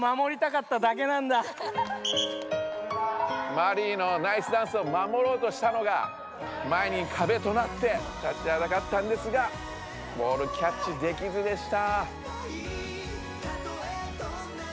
マリイのナイスダンスを守ろうとしたのが前にかべとなってたちはだかったんですがボールキャッチできずでした。